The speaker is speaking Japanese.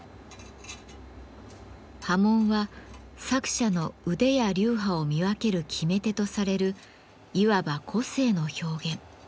刃文は作者の腕や流派を見分ける決め手とされるいわば個性の表現。